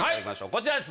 こちらです